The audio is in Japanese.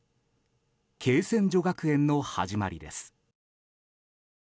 恵泉女学園の始まりです。